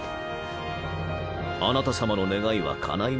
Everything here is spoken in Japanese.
あなた様の願いはかないますよ。